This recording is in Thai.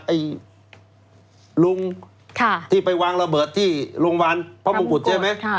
ไอ้ลุงที่ไปวางระเบิดที่โรงพยาบาลพระมงกุฎใช่ไหม